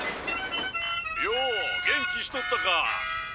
よお元気しとったか。